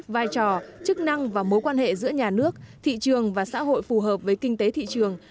vai trò chức năng và mối quan hệ giữa nhà nước thị trường và xã hội phù hợp với kinh tế thị trường